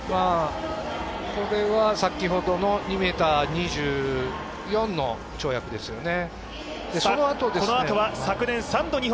これは先ほどの２ｍ２４の跳躍ですよね。